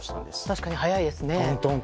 確かに早いですね。